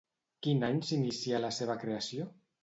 Quin any s'inicià la seva creació?